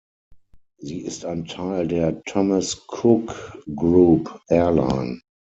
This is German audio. Sie ist ein Teil der Thomas Cook Group Airline.